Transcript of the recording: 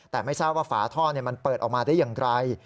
แต่ไม่ทราบว่าฝาท่อมันเปิดออกมาได้อย่างไร